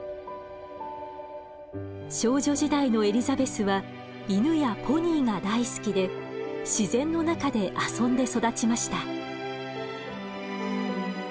少女時代のエリザベスは犬やポニーが大好きで自然の中で遊んで育ちました。